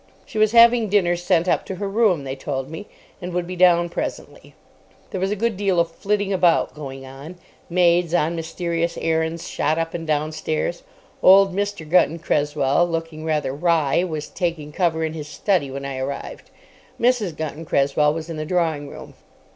She was having dinner sent up to her room, they told me, and would be down presently. There was a good deal of flitting about going on. Maids on mysterious errands shot up and down stairs. Old Mr. Gunton Cresswell, looking rather wry, was taking cover in his study when I arrived. Mrs. Gunton Cresswell was in the drawing room.